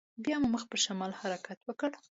بيا مو مخ پر شمال حرکت وکړ.